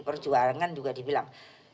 perjuangan juga dibilang